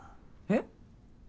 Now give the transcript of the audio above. えっ？